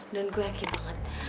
dan gue yakin banget